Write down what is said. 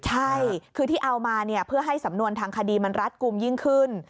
ใช่คือที่เอามาเนี่ยเพื่อให้สำนวนทางคดีมันรัดกลุ่มยิ่งขึ้น